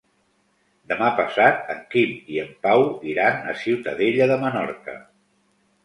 Demà passat en Quim i en Pau iran a Ciutadella de Menorca.